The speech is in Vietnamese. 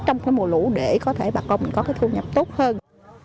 trong cái mùa lũ để có thể bà con mình có cái thu nhập tốt hơn